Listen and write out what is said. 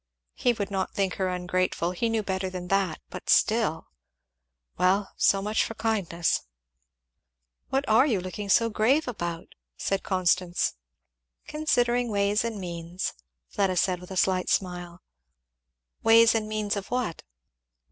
He would not think her ungrateful, he knew better than that, but still Well! so much for kindness! "What are you looking so grave about?" said Constance. "Considering ways and means," Fleda said with a slight smile. "Ways and means of what?"